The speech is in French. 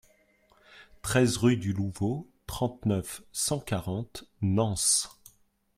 treize rue du Louvot, trente-neuf, cent quarante, Nance